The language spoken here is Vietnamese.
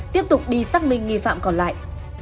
tiếp tục đi xác minh nghi phạm còn lại